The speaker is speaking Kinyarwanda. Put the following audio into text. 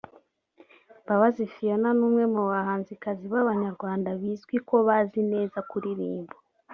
Mbabazi Phionah ni umwe mu bahanzikazi b'abanyarwanda bizwi ko bazi neza kuririmba